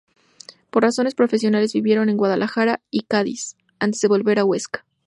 Por razones profesionales vivieron en Guadalajara y Cádiz antes de volver a Huesca.